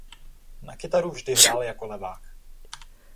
Na kytaru vždy hrál jako levák.